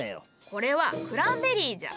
これはクランベリーじゃ。